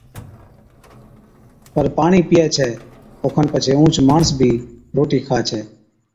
پر پاڻِي پِيئَي ڇَي، اوکن پڇي اُونھچ ماڻس بِي روٽِي کا ڇَي